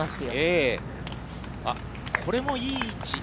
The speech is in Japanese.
あっ、これもいい位置。